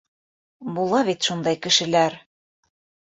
Була бит шундай кешеләр.